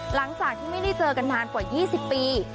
หลังจากที่ไม่ได้เจอกันนานกว่า๒๐ปี